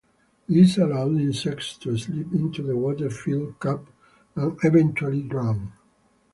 This allows insects to slip into the water-filled cup and eventually drown.